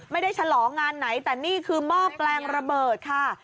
ฉลองงานไหนแต่นี่คือหม้อแปลงระเบิดค่ะ